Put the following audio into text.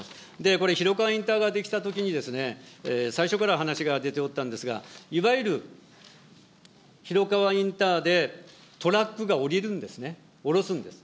これ、広川インターが出来たときに、最初から話が出ておったんですが、いわゆる広川インターでトラックが下りるんですね、下ろすんです。